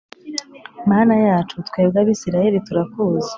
Mana yacu twebwe Abisirayeli turakuzi.